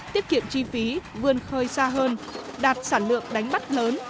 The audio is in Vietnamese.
tiết kiệm chi phí vươn khơi xa hơn đạt sản lượng đánh bắt lớn